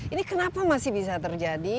ini kenapa masih bisa terjadi